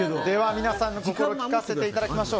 皆さんの心聞かせていただきましょう。